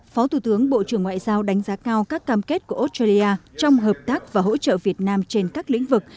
phó thủ tướng bộ trưởng ngoại giao đánh giá cao các cam kết của australia trong hợp tác và hỗ trợ việt nam trên các lĩnh vực